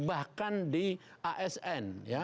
bahkan di asn